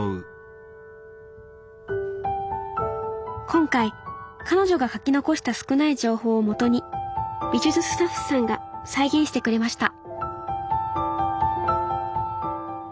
今回彼女が書き残した少ない情報をもとに美術スタッフさんが再現してくれました